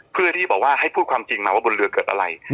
เพื่อที่บอกว่าให้พูดความจริงมาว่าบนเรือเกิดอะไร